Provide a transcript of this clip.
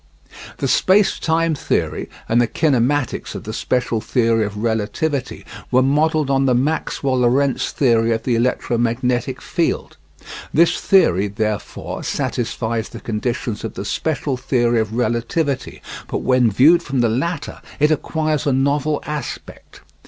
The space time theory and the kinematics of the special theory of relativity were modelled on the Maxwell Lorentz theory of the electromagnetic field. This theory therefore satisfies the conditions of the special theory of relativity, but when viewed from the latter it acquires a novel aspect.